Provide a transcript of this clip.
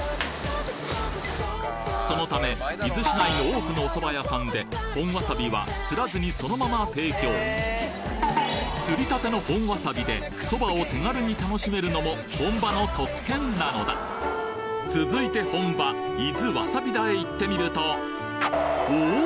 そのため伊豆市内の多くのお蕎麦屋さんで本わさびは擦らずにそのまま提供擦り立ての本わさびで蕎麦を続いて本場伊豆わさび田へ行ってみるとおお！